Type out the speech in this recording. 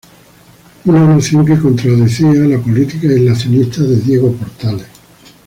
Una noción que contradecía la política aislacionista de Diego Portales.